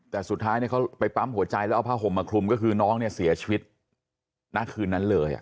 แต่สุดท้ายเขาไปปั๊มหัวใจแล้วเอาผ้าห่มมาคลุมก็คือน้องเนี่ยเสียชีวิตณคืนนั้นเลย